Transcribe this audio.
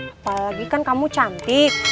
apalagi kan kamu cantik